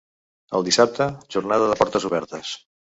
El dissabte, jornada de portes obertes.